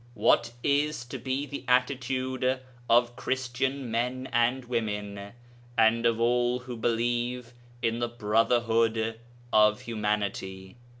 What is to be the attitude of Christian men and women and of all who believe in the brotherhood of humanity?